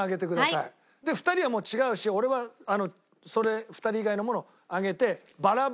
２人はもう違うし俺はあの２人以外のものを上げて。